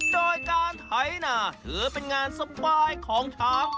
โดยการไถนาถือเป็นงานสบายของช้าง